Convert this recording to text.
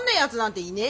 いいねえ。